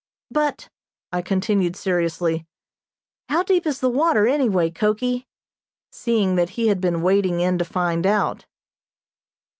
"But," I continued seriously, "how deep is the water, anyway, Koki?" seeing that he had been wading in to find out.